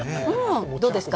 どうですか？